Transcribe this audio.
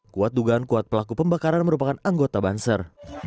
kuat dugaan kuat pelaku pembakaran merupakan anggota banser